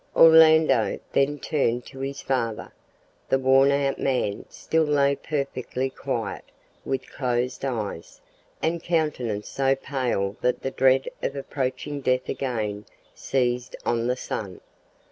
Orlando then turned to his father. The worn out man still lay perfectly quiet, with closed eyes, and countenance so pale that the dread of approaching death again seized on the son.